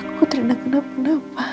aku takut rena kenapa kenapa